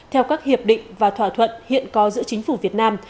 theo các hiệp định và thỏa thuận hiện có giữa chính phủ việt nam